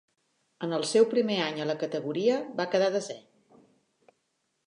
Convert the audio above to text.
En el seu primer any a la categoria va quedar desè.